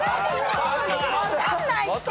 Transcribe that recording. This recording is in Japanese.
分かんないって。